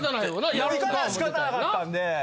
やり返さな仕方なかったんで。